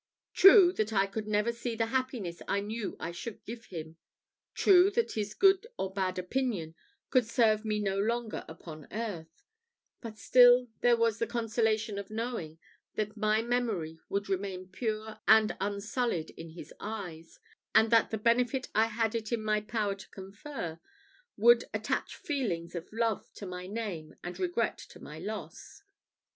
True that I could never see the happiness I knew I should give him true that his good or bad opinion could serve me no longer upon earth; but still there was the consolation of knowing that my memory would remain pure and unsullied in his eyes; and that the benefit I had it in my power to confer would attach feelings of love to my name and regret to my loss.